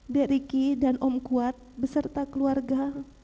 dek rica dan om kuat beserta keluarga